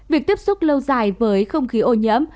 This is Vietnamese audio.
việc tiếp xúc lâu dài với không khí ô nhiễm